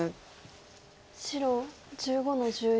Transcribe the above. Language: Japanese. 白１５の十四。